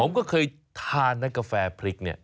ผมก็เคยทานนะกาแฟพริกเนี่ย